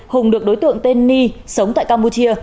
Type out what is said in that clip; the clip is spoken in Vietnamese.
hùng được đối tượng tên ni sống tại campuchia